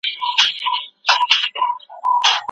د حج په مرستې سره مي خپلي هڅې جاري وساتلې.